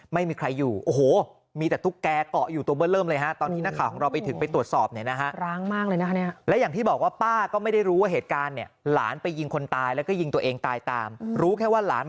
ไม่มีใครอยู่โอ้โหมีแต่ทุกแก่เกาะอยู่ตัวเบื้อเริ่มเลยฮะ